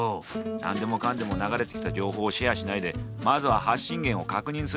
何でもかんでも流れてきた情報をシェアしないでまずは発信源を確認すること。